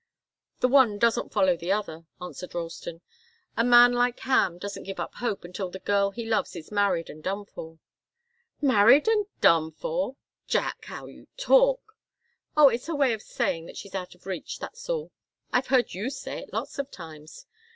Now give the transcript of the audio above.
"The one doesn't follow the other," answered Ralston. "A man like Ham doesn't give up hope until the girl he loves is married and done for." "Married and done for! Jack! How you talk!" "Oh it's a way of saying that she's out of reach, that's all. I've heard you say it lots of times.